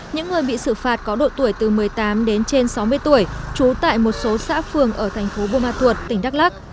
những người bị xử phạt có độ tuổi từ một mươi tám đến trên sáu mươi tuổi trú tại một số xã phường ở thành phố buôn ma thuột tỉnh đắk lắc